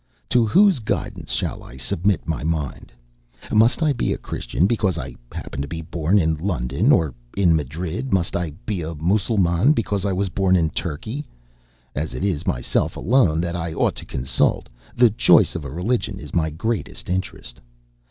To whose guidance shall I submit my mind? Must I be a Christian, be cause I happened to be born in London, or in Madrid? Must I be a Mussulman, because I was born in Turkey? As it is myself alone that I ought to consult, the choice of a religion is my greatest interest.